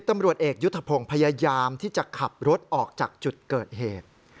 ตำรวจเอกยุทธพงศ์พยายามที่จะขับรถออกจากจุดเกิดเหตุ